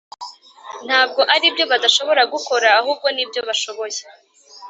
ntabwo aribyo badashobora gukora, ahubwo nibyo bashoboye.